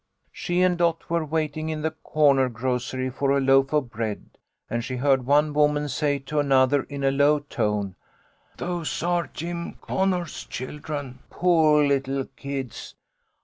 " She and Dot were waiting in the corner grocery for a loaf of bread, and she heard one woman say to another, in a low tone, 'Those are Jim Conner's children, poor little kids.